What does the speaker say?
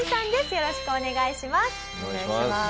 よろしくお願いします。